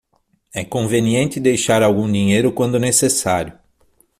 É conveniente deixar algum dinheiro quando necessário.